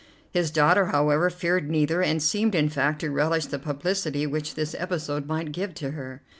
His daughter, however, feared neither, and seemed in fact to relish the publicity which this episode might give to her.